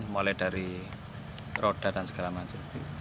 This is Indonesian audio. mulai dari roda dan segala macam